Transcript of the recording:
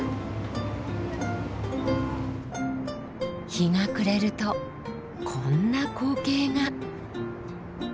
日が暮れるとこんな光景が。